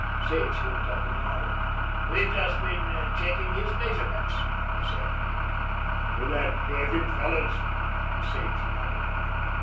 Sage looked up and nodded. "We've just been checking his measurements," he said. "With that Bergen fellow's?" Sage nodded.